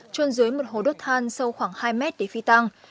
trôn dưới một hồ đốt than sâu khoảng hai mét để phi tăng